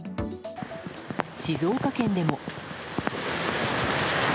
静岡県でも。